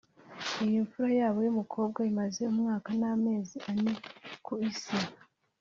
Iyi mfura yabo y’umukobwa imaze umwaka n’amezi ane ku Isi